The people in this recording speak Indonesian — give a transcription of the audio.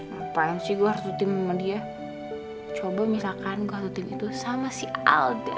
ngapain sih gua harus tutim sama dia coba misalkan gua tutim itu sama si alden